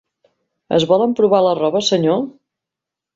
Es vol emprovar la roba, senyor?